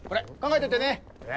え。